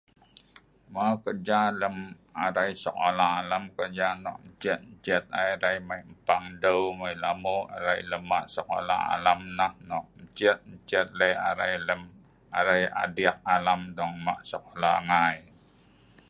Mau, kerja lem arai sekola alam kerja nok ncedt-nceet ai arai mai mpaang deu, mai lamu’ arai lem maq sekola ai alam nah nok nceet-nceet le’ arai lem arai adiek alam dong lem maq sekola ngai